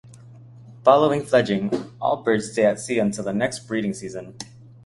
Following fledging, all birds stay at sea until the next breeding season.